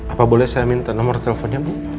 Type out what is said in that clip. apa boleh saya minta nomor teleponnya bu